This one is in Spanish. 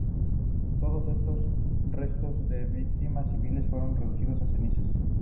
Todos esos restos de víctimas civiles fueron reducidos a cenizas.